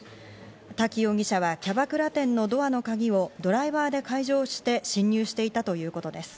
滝容疑者はキャバクラ店のドアの鍵をドライバーで解錠して侵入していたということです。